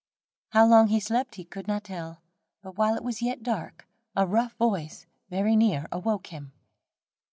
How long he slept he could not tell, but while it was yet dark, a rough voice very near, awoke him.